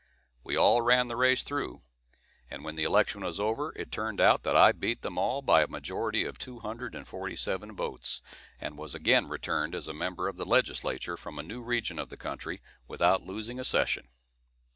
We all ran the race through; and when the election was over, it turned out that I beat them all by a majority of two hundred and forty seven votes, and was again returned as a member of the Legislature from a new region of the country, without losing a session.